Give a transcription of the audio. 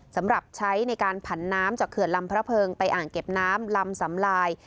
สำหรับใช้ในการผันน้ำจากเขื่อนลำพระเพิงไปอ่างเก็บน้ำลำสำลาย